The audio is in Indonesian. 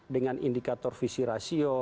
dengan indikator visi rasio